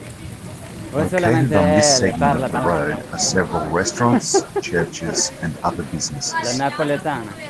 Located on this segment of the road are several restaurants, churches, and other businesses.